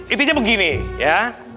itu aja begini ya